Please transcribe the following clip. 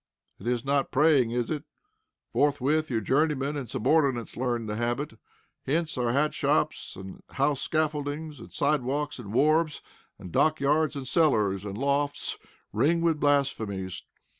It is not praying, is it? Forthwith, your journeymen and subordinates learn the habit. Hence our hat shops, and house scaffoldings, and side walks, and wharves, and dockyards, and cellars, and lofts ring with blasphemies.